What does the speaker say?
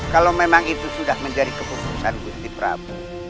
kalau memang itu sudah menjadi keputusan gusti prabu